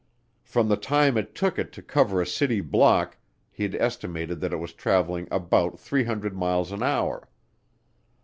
From the time it took it to cover a city block, he'd estimated that it was traveling about 300 miles an hour.